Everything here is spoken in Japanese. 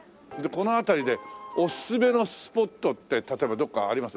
この辺りでおすすめのスポットって例えばどこかあります？